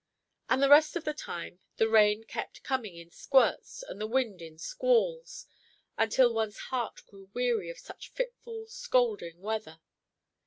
And the rest of the time the rain kept coming in squirts and the wind in squalls, until one's heart grew weary of such fitful, scolding weather.